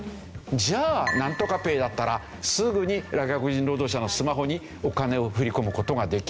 じゃあナントカＰａｙだったらすぐに外国人労働者のスマホにお金を振り込む事ができるよというので